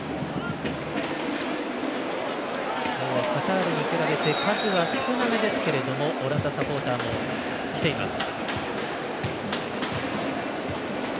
カタールに比べて数は少なめですけどもオランダサポーターも来ています。